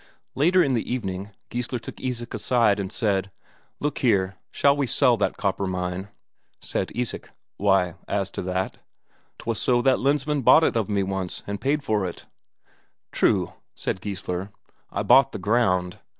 Later in the evening, Geissler took Isak aside and said: "Look here, shall we sell that copper mine?" Said Isak: "Why, as to that, 'twas so that Lensmand bought it of me once, and paid for it." "True," said Geissler. "I bought the ground.